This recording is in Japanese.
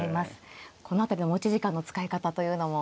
この辺りの持ち時間の使い方というのも。